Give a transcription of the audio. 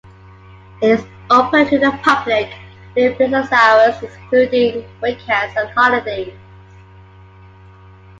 It is open to the public during business hours, excluding weekends and holidays.